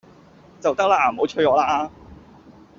就得啦，唔好催我啦！